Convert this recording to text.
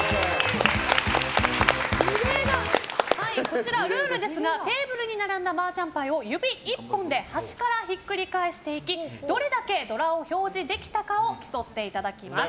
こちら、ルールですがテーブルに並んだマージャン牌を指１本で端からひっくり返していきどれだけドラを表示できたかを競っていただきます。